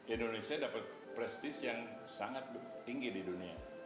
indonesia dapat prestis yang sangat tinggi di dunia